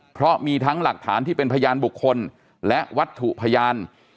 เพราะมีทั้งหลักฐานที่เป็นพยานบุคคลและวัตถุพยาน